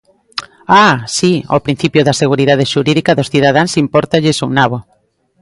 ¡Ah!, si, o principio da seguridade xurídica dos cidadáns impórtalles un nabo.